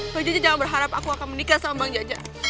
bang jaja jangan berharap aku akan menikah sama bang jaja